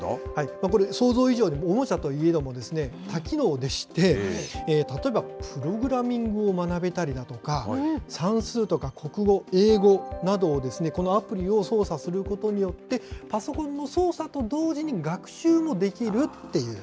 これ、想像以上に、おもちゃといえども多機能でして、例えばプログラミングを学べたりだとか、算数とか国語、英語などをこのアプリを操作することによって、パソコンの操作と同時に学習もできるっていう。